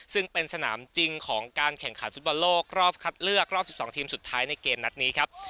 ซึ่งเป็นสนามจริงของการแข่งขันฟุตบอลโลกรอบคัดเลือกรอบ๑๒ทีมสุดท้ายในเกมนัดนี้ครับ